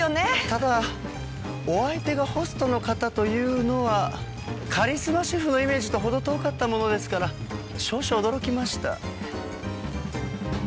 ただお相手がホストの方というのはカリスマ主婦のイメージと程遠かったものですから少々驚きました。